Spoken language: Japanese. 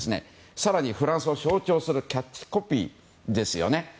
更に、フランスを象徴するキャッチコピーです。